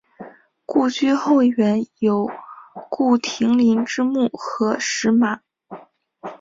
故居后园有顾亭林之墓和石马。